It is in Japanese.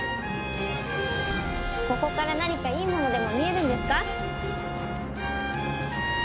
ここから何かいいものでも見えるんですか？